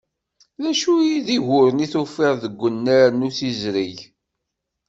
D acu i d uguren i d-tufiḍ deg unnar n usizreg?